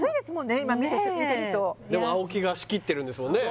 今見てるとねえでも青木が仕切ってるんですもんね